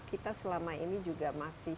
kita selama ini juga masih